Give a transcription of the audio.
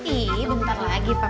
ih bentar lagi pak